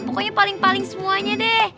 pokoknya paling paling semuanya deh